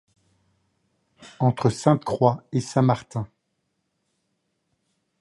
entre Sainte-Croix et Saint-Martin